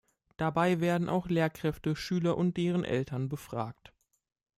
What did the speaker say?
Dabei werden auch Lehrkräfte, Schüler und deren Eltern befragt.